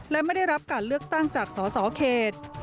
และไม่ได้รับการเลือกตั้งจากสสเขต